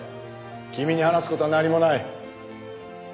君に話す事は何もない。